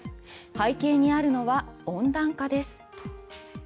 背景にあるのは温暖化です。